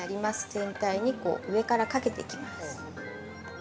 全体に上からかけていきます。